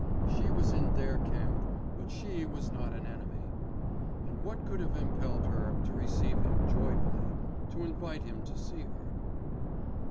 She was in their camp, but she was not an enemy. And what could have impelled her to receive him joyfully, to invite him to see her?